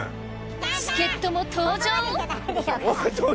助っ人も登場⁉